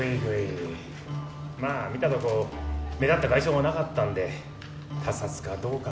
まあ見たところ目立った外傷はなかったんで他殺かどうかまではまだ。